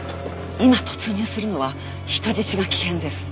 今突入するのは人質が危険です。